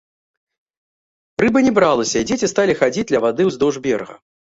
Рыба не бралася і дзеці сталі хадзіць ля вады ўздоўж берага.